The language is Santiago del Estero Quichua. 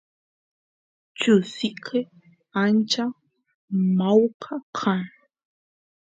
chusiyke ancha mawka kan